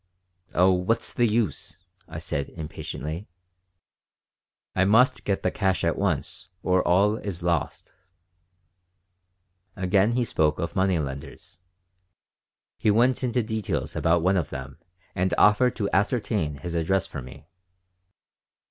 "Oh, what's the use?" I said, impatiently. "I must get the cash at once, or all is lost." Again he spoke of money lenders. He went into details about one of them and offered to ascertain his address for me.